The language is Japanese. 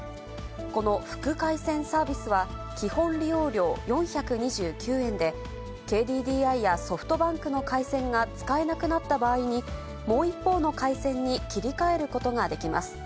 この副回線サービスは、基本利用料４２９円で、ＫＤＤＩやソフトバンクの回線が使えなくなった場合に、もう一方の回線に切り替えることができます。